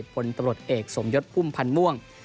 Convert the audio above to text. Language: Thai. ผลตรวจเอกสมยศพุ่มพันธ์ม่วง